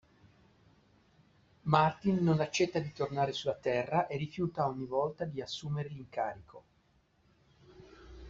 Martin non accetta di tornare sulla Terra e rifiuta ogni volta di assumere l'incarico.